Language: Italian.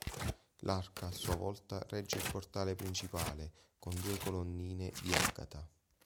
L’Arca a sua volta regge il portale principale, con due colonnine di agata.